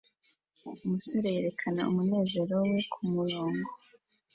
Umusore yerekana umunezero we kumurongo